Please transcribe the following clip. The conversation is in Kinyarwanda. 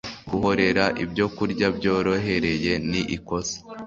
guhorera ibyokurya byorohereye ni ikosa